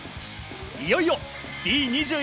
いよいよＢ２１